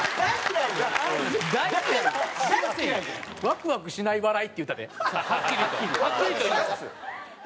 「ワクワクしない笑い」って言ったではっきり。